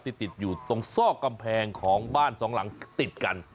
ติดอยู่ตรงซอกกำแพงของบ้านสองหลังติดกัน